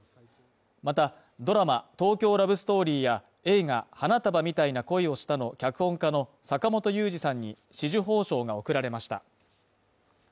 また、ドラマ「東京ラブストーリー」や映画「花束みたいな恋をした」の脚本家の坂元裕二さんに紫綬褒章が贈られました。